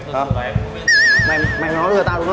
phải ra được đây đã